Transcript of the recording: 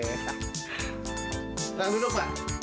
silahkan duduk pak